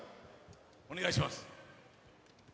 お願いします。